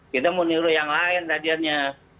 kita mau niru yang lain radiannya